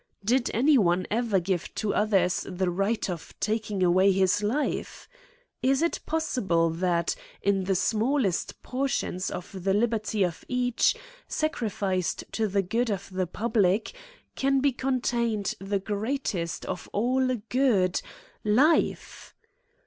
Did any one ever give to others the right of taking away his life ? Is it possible that, in the smallest portions of the liberty of each, sacrificed to the good of the public, can be contained the greatest of all good, life